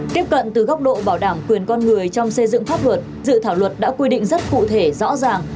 tiếp cận từ góc độ bảo đảm quyền con người trong xây dựng pháp luật dự thảo luật đã quy định rất cụ thể rõ ràng